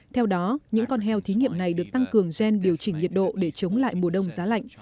theo đó những con heo thí nghiệm này được tăng cường gen điều chỉnh nhiệt độ để chống lại mùa đông giá lạnh